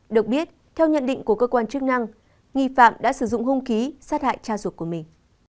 được biết theo nhận định của cơ quan chức năng nghi phạm đã sử dụng hung khí sát hại cha ruột của mình